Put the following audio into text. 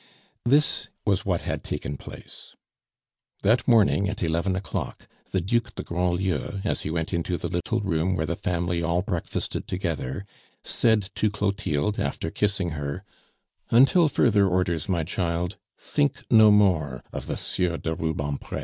This was what had taken place. That morning, at eleven o'clock, the Duc de Grandlieu, as he went into the little room where the family all breakfasted together, said to Clotilde after kissing her, "Until further orders, my child, think no more of the Sieur de Rubempre."